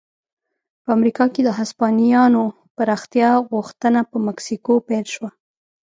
په امریکا کې د هسپانویانو پراختیا غوښتنه په مکسیکو پیل شوه.